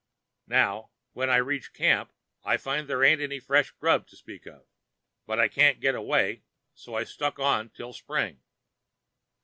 "Now, when I reach camp I find there ain't any fresh grub to speak of. But I can't get away, so I stick on until spring.